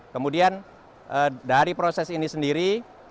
kemudian dari proses ini sendiri